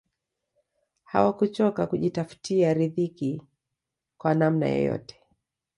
hawakuchoka kujitafutia ridhiki kwa namna yoyote